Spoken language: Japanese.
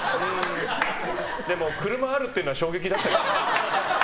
でも、車あるっていうのは衝撃だったな。